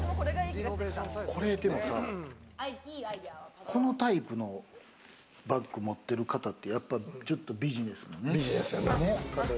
これでもさ、このタイプのバッグ持ってる方って、やっぱり、ちょっとビジネスよね。